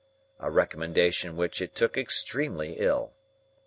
—a recommendation which it took extremely ill.